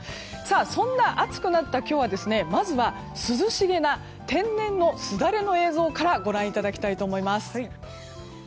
そんな暑くなった今日はまずは、涼しげな天然のすだれの映像からご覧いただきたいと思います。